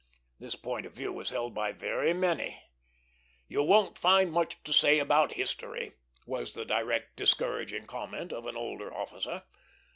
This point of view was held by very many. "You won't find much to say about history," was the direct discouraging comment of an older officer.